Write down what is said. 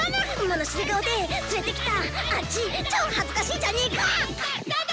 物知り顔で連れてきたあッチ超恥ずかしいじゃねーか！